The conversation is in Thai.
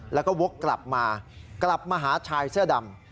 แล้วก็วกกลับมากลับมาหาชายเสื้อดำ